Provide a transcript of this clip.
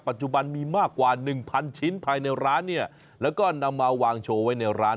ปัจจุบันมีมากกว่าหนึ่งพันชิ้นภายในร้านเนี่ยแล้วก็นำมาวางโชว์ไว้ในร้าน